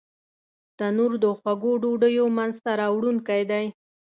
تنور د خوږو ډوډیو مینځ ته راوړونکی دی